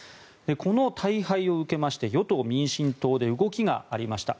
この大敗を受けまして与党・民進党で動きがありました。